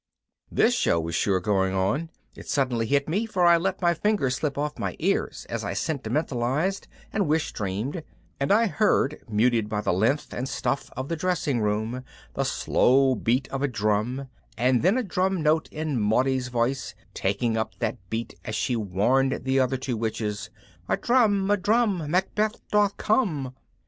This show was sure going on, it suddenly hit me, for I'd let my fingers slip off my ears as I sentimentalized and wish dreamed and I heard, muted by the length and stuff of the dressing room, the slow beat of a drum and then a drum note in Maudie's voice taking up that beat as she warned the other two witches, "A drum, a drum! Macbeth doth come."